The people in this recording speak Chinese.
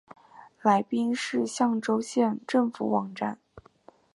来宾市象州县政府网站